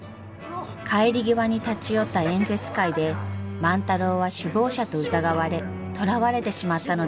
帰り際に立ち寄った演説会で万太郎は首謀者と疑われ捕らわれてしまったのです。